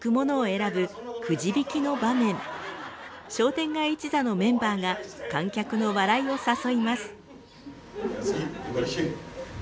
商店街一座のメンバーが観客の笑いを誘います。